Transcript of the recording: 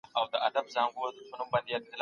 که درسونه منظم وړاندي سي، ګډوډي نه رامنځته کېږي.